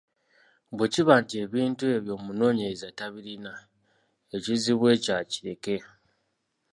Bwe kiba nti ebintu ebyo omunoonyereza tabirina, ekizibu ekyo akireke.